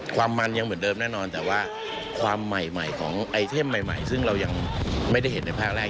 ความมันยังเหมือนเดิมแน่นอนแต่ว่าความใหม่ของไอเทมใหม่ซึ่งเรายังไม่ได้เห็นในภาคแรก